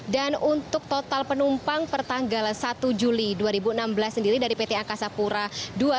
dan untuk total penumpang pertanggal satu juli dua ribu enam belas sendiri dari pt angkasa pura ii